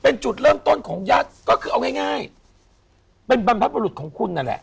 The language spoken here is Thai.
เป็นจุดเริ่มต้นของยัดก็คือเอาง่ายเป็นบรรพบรุษของคุณนั่นแหละ